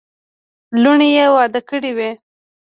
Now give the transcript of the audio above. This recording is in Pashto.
لوڼي یې واده کړې وې.